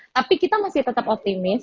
tapi kita masih tetap optimis